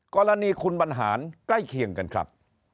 กรณีคุณบรรหารใกล้เคียงกันครับ